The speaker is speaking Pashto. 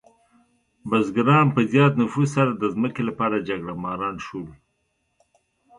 بزګران په زیات نفوس سره د ځمکې لپاره جګړهماران شول.